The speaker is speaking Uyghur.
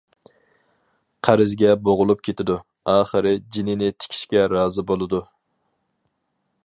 قەرزگە بوغۇلۇپ كېتىدۇ، ئاخىرى جېنىنى تىكىشكە رازى بولىدۇ.